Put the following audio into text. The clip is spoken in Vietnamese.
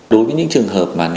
đối với những trường hợp mà nếu